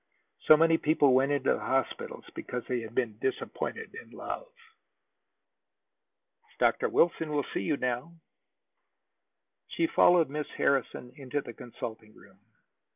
So many people went into hospitals because they had been disappointed in love. "Dr. Wilson will see you now." She followed Miss Harrison into the consulting room.